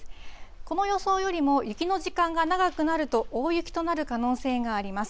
この予想よりも雪の時間が長くなると、大雪となる可能性があります。